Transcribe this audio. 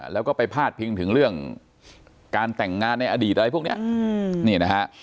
แล้วก็ไปพาดพิงถึงเรื่องการแต่งงานในอดีตอะไรพวกนี้นี่นะฮะ